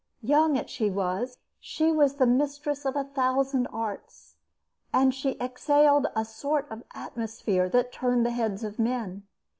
Young as she was, she was the mistress of a thousand arts, and she exhaled a sort of atmosphere that turned the heads of men.